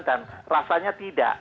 dan rasanya tidak